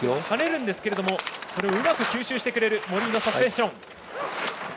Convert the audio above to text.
はねるんですけどもそれをうまく吸収してくれる森井のサスペンション。